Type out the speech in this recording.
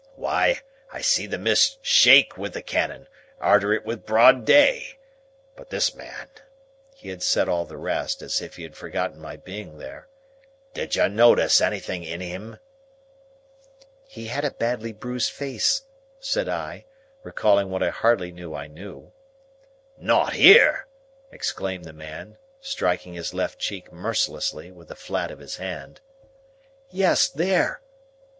Why, I see the mist shake with the cannon, arter it was broad day,—But this man"; he had said all the rest, as if he had forgotten my being there; "did you notice anything in him?" "He had a badly bruised face," said I, recalling what I hardly knew I knew. "Not here?" exclaimed the man, striking his left cheek mercilessly, with the flat of his hand. "Yes, there!"